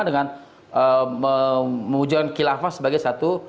dengan mewujudkan kilafah sebagai satu